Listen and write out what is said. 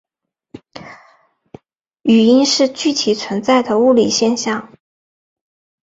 语音是具体存在的物理现象。